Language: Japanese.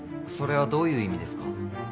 それはどういう意味ですか？